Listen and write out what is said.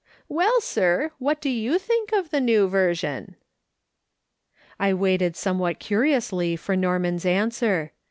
" Well, sir, and what do you think of the New Version ?" I waited somewhat curiously for Norman's answer.